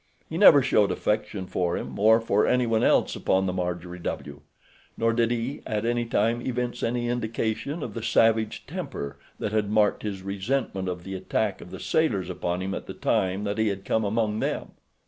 He never showed affection for him, or for anyone else upon the Marjorie W., nor did he at any time evince any indication of the savage temper that had marked his resentment of the attack of the sailors upon him at the time that he had come among them.